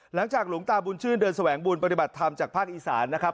หลวงตาบุญชื่นเดินแสวงบุญปฏิบัติธรรมจากภาคอีสานนะครับ